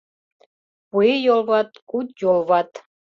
Куэ йолват, куд йолват